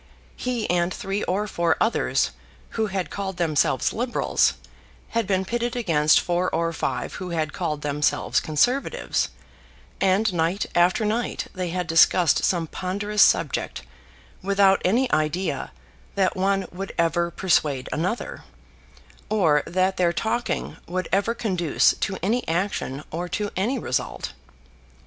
He and three or four others who had called themselves Liberals had been pitted against four or five who had called themselves Conservatives, and night after night they had discussed some ponderous subject without any idea that one would ever persuade another, or that their talking would ever conduce to any action or to any result.